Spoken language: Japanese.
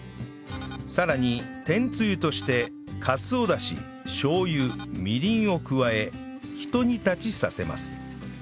さらに天つゆとしてかつおダシしょう油みりんを加えひと煮立ちさせます